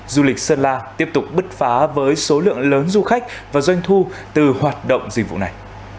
du lịch sơn la tiếp tục bứt phá với số lượng lớn du khách và doanh thu từ hoạt động dịch vụ này